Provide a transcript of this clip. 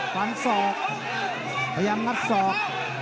ฟันศอกพยายามงัดศอก